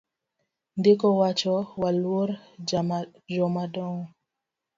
Ndiko wacho waluor jomadongo.